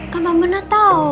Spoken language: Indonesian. kan mbak bena tau